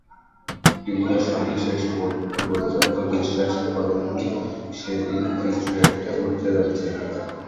কিন্তু স্বামী শেষ মুহূর্ত পর্যন্ত বিশ্বাস করেননি সেদিন কিছু একটা ঘটতে যাচ্ছে।